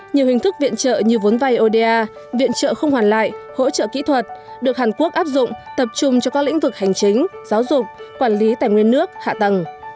nhiều hình thức viện trợ như vốn vay oda viện trợ không hoàn lại hỗ trợ kỹ thuật được hàn quốc áp dụng tập trung cho các lĩnh vực hành chính giáo dục quản lý tài nguyên nước hạ tầng